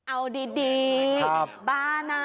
อ้าวดีบ้านะ